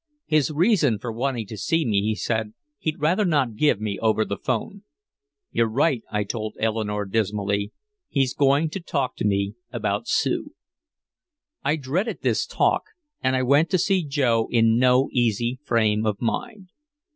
His reason for wanting to see me, he said, he'd rather not give me over the 'phone. "You're right," I told Eleanore dismally. "He's going to talk to me about Sue." I dreaded this talk, and I went to see Joe in no easy frame of mind.